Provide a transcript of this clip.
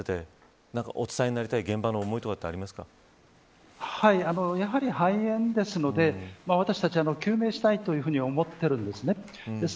この現場をご覧になっていてお伝えになりたい現場の思いとかやはり肺炎ですので私たちは救命したいというふうに思っているんですね。